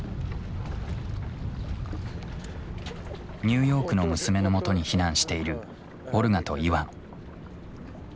ニューヨークの娘のもとに避難しているオルガとイワン。